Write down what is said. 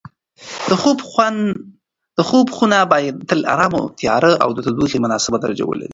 د خوب خونه باید تل ارامه، تیاره او د تودوخې مناسبه درجه ولري.